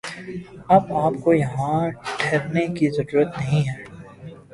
اب آپ کو یہاں ٹھہرنے کی ضرورت نہیں ہے